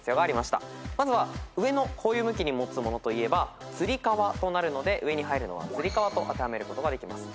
まずは上のこういう向きに持つものといえば「つりかわ」となるので上に入るのは「つりかわ」と当てはめることができます。